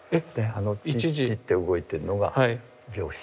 チッチッて動いてるのが秒針。